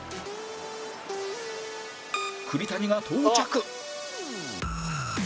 栗谷が到着